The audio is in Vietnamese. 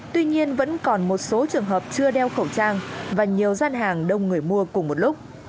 tuy nhiên vẫn còn một số trường hợp chưa đeo khẩu trang và nhiều gian hàng đông người mua cùng một lúc